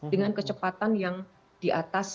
dengan kecepatan yang di atas